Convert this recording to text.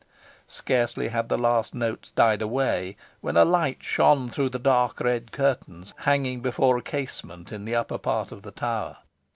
Scarcely had the last notes died away, when a light shone through the dark red curtains hanging before a casement in the upper part of the tower.